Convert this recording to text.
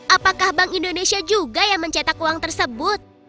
apakah bank indonesia juga yang mencetak uang tersebut